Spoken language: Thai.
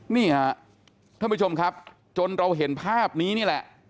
นี่ค่ะท่านผู้ชมครับจนเราเห็นภาพนี้นี่แหละ